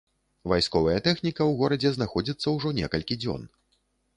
Вайсковая тэхніка ў горадзе знаходзіцца ўжо некалькі дзён.